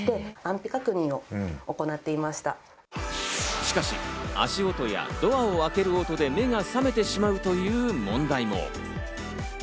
しかし、足音やドアを開ける音で目が覚めてしまうという問題も。